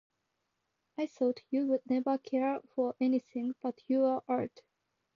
I thought you would never care for anything but your art.